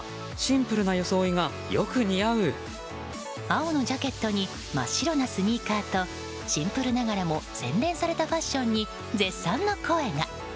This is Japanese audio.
青のジャケットに真っ白なスニーカーとシンプルながらも洗練されたファッションに絶賛の声が。